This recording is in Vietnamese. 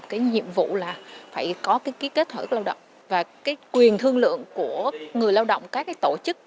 cái nhiệm vụ là phải có cái kết thởi của lao động và cái quyền thương lượng của người lao động các tổ chức